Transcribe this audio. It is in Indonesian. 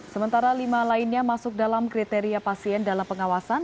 sementara lima lainnya masuk dalam kriteria pasien dalam pengawasan